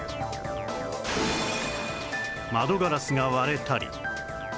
窓ガラスが割れたり